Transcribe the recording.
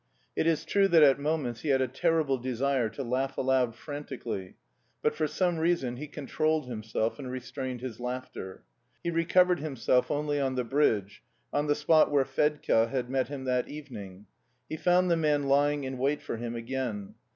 It is true that at moments he had a terrible desire to laugh aloud frantically; but for some reason he controlled himself and restrained his laughter. He recovered himself only on the bridge, on the spot where Fedka had met him that evening. He found the man lying in wait for him again.